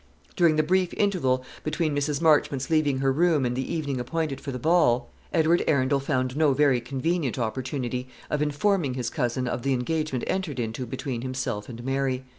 During the brief interval between Mrs. Marchmont's leaving her room and the evening appointed for the ball, Edward Arundel found no very convenient opportunity of informing his cousin of the engagement entered into between himself and Mary.